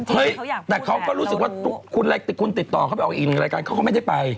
เฮ้ยแต่เขาก็รู้สึกว่าคุณติดต่อเขาไปออกอีกหนึ่งรายการเขาก็ไม่ได้ไป